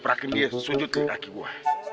gue perakin dia sujud di daki gue